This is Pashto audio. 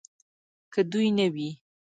که دوی نه وي